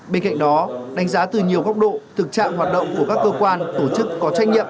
bên cạnh đó đánh giá từ nhiều góc độ thực trạng hoạt động của các cơ quan tổ chức có trách nhiệm